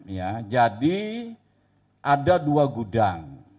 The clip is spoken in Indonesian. ya jadi ada dua gudang